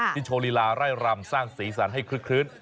ที่โชลีลาร่ายรำสร้างสีสันให้ครึ้ด